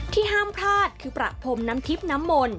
ห้ามพลาดคือประพรมน้ำทิพย์น้ำมนต